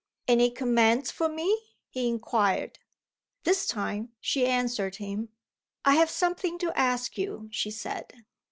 "Any commands for me?" he inquired This time she answered him. "I have something to ask you," she said.